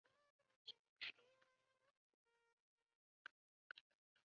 其妻赵芸蕾亦为前中国国家羽毛球队队员。